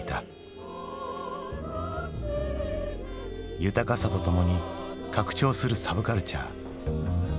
豊かさとともに拡張するサブカルチャー。